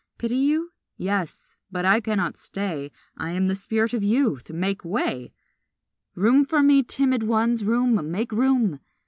Pity you? Yes, but I cannot stay; I am the spirit of Youth; make way! Room for me, timid ones, room, make room!